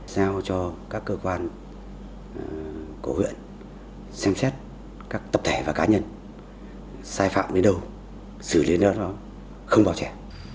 sao cho các cơ quan của huyện xem xét các tập thể và cá nhân sai phạm đến đâu xử lý đến đâu không bảo trẻ